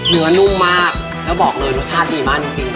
นุ่มมากแล้วบอกเลยรสชาติดีมากจริง